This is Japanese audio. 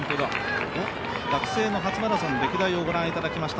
学生の初マラソン歴代をご覧いただきました。